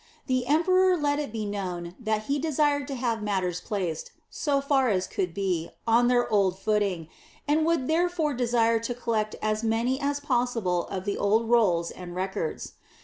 The emperor let it be known that he desired to have matters placed, so far as could be, on their old footing, and would therefore desire to collect as many as possible of the old rolls and records.